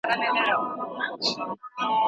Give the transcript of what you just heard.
او نهمې وه ډبره لاس کې